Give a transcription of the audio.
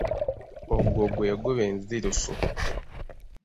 Ogwo gwe guba enziruso.